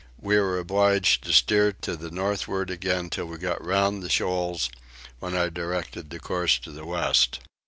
We were obliged to steer to the northward again till we got round the shoals, when I directed the course to the west.